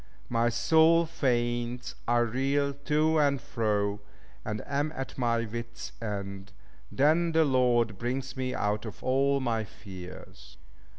My soul faints, I reel to and fro, and am at my wit's end: then the Lord brings me out of all my fears."